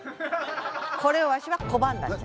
これをわしはこばんだんじゃ。